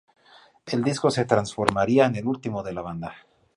El disco se transformaría en el último de la banda.